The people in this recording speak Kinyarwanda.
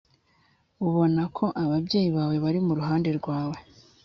ubona ko ababyeyi bawe bari mu ruhande rwawe